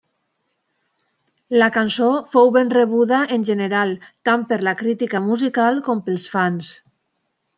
La cançó fou ben rebuda en general tant per la crítica musical com pels fans.